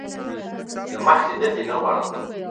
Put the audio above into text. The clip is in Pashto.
دمخ لیدل دي نه غواړم .